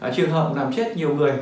trường hợp làm chết nhiều người